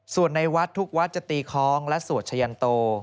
ส่วนในวัดทุกวัดจะตีคล้องและสวดชะยันโต